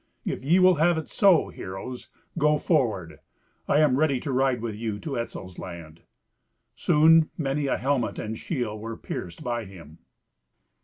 If ye will have it so, heroes, go forward. I am ready to ride with you to Etzel's land." Soon many a helmet and shield were pierced by him.